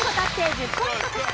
１０ポイント獲得。